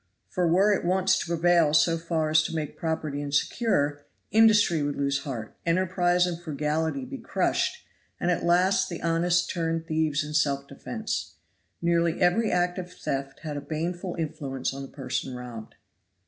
For were it once to prevail so far as to make property insecure, industry would lose heart, enterprise and frugality be crushed, and at last the honest turn thieves in self defense. Nearly every act of theft had a baneful influence on the person robbed.